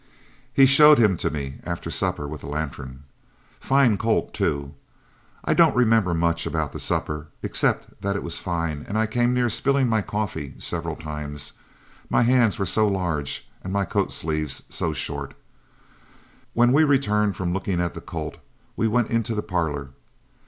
He showed him to me after supper with a lantern. Fine colt, too. I don't remember much about the supper, except that it was fine and I came near spilling my coffee several times, my hands were so large and my coat sleeves so short. When we returned from looking at the colt, we went into the parlor.